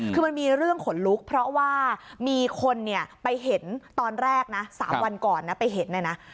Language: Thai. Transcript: คือมันมีเรื่องขนลุกเพราะว่ามีคนเนี่ยไปเห็นตอนแรกนะ๓วันก่อนนะไปเห็นเนี่ยนะ